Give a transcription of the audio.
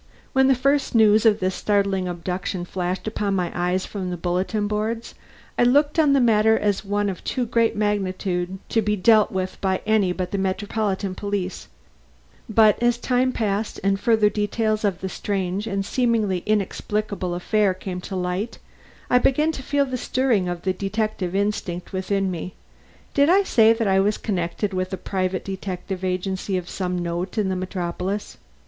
When the first news of this startling abduction flashed upon my eyes from the bulletin boards, I looked on the matter as one of too great magnitude to be dealt with by any but the metropolitan police; but as time passed and further details of the strange and seemingly inexplicable affair came to light, I began to feel the stirring of the detective instinct within me (did I say that I was connected with a private detective agency of some note in the metropolis?)